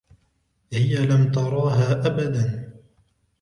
هى لم تراها أبداً.